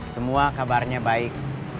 semua kabarnya baik